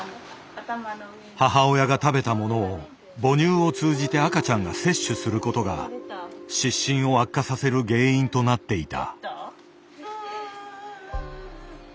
母親が食べたものを母乳を通じて赤ちゃんが摂取することが湿疹を悪化させる原因となっていた。